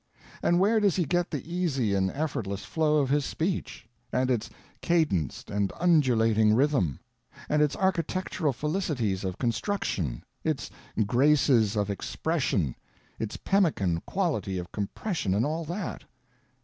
And where does he get the easy and effortless flow of his speech? and its cadenced and undulating rhythm? and its architectural felicities of construction, its graces of expression, its pemmican quality of compression, and all that?